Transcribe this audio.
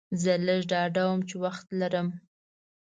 زه لږ ډاډه وم چې وخت لرم.